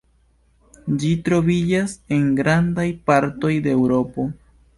Ĝi troviĝas en grandaj partoj de Eŭropo.